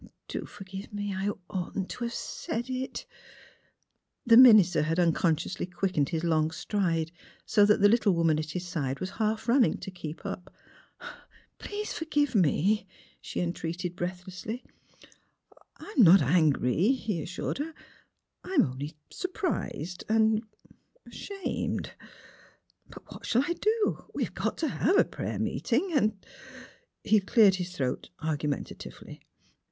Do forgive me. I oughtn't to have said it! " The minister had unconsciously quickened his long stride so that the little woman at his side was half running to keep up. '' Please forgive me !" she entreated breath lessly. "I'm not angry," he assured her. "I'm only surprised and — er — ashamed. But what shall I do? We've got to have a prayer meeting; and " He cleared his throat argumentatively.